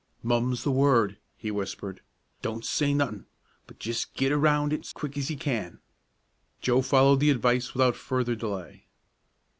"Mum's the word," he whispered. "Don't say nothin', but jes' git around it's quick's ye can." Joe followed the advice without further delay.